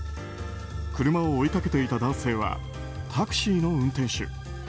車を追いかけていた男性はタクシーの運転手。